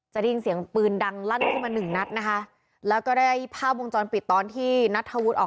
ได้ยินเสียงปืนดังลั่นขึ้นมาหนึ่งนัดนะคะแล้วก็ได้ภาพวงจรปิดตอนที่นัทธวุฒิออก